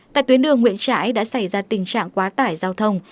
tại tuyến đường nguyễn trãi đã xảy ra tình trạng quá tải giao thông